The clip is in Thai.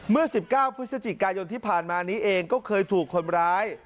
เมื่อ๑๙พฤศจิกายนที่ผ่านมานี้เองก็เคยถูกคนร้าย